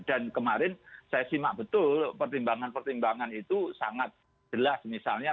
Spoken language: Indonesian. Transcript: dan kemarin saya simak betul pertimbangan pertimbangan itu sangat jelas misalnya